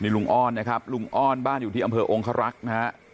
ลุงอ้อนนะครับลุงอ้อนบ้านอยู่ที่อำเภอองครักษ์นะฮะ